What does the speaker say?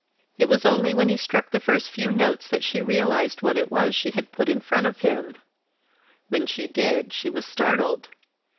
It was only when he struck the first few notes that she realised what it was she had put in front of him; when she did, she was startled.